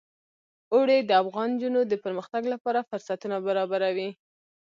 اوړي د افغان نجونو د پرمختګ لپاره فرصتونه برابروي.